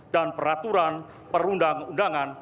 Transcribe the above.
dan peraturan perundangan